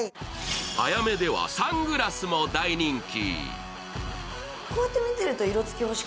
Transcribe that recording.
ａｙａｍｅではサングラスも大人気。